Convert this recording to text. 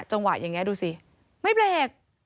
จังหวะอย่างนี้ดูสิไม่เบรก